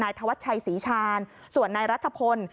ธวัชชัยศรีชาญส่วนนายรัฐพล